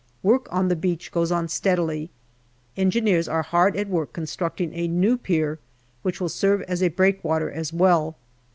Work on the beach goes on steadily. Engineers are hard at work constructing a new pier, which will serve as a breakwater as well.